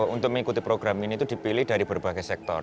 untuk mengikuti program ini itu dipilih dari berbagai sektor